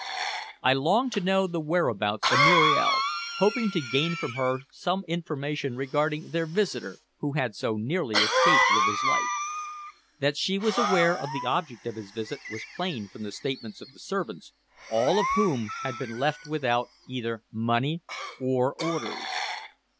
I longed to know the whereabouts of Muriel, hoping to gain from her some information regarding their visitor who had so nearly escaped with his life. That she was aware of the object of his visit was plain from the statements of the servants, all of whom had been left without either money or orders.